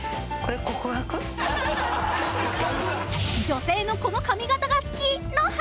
［「女性のこの髪形が好き」の話］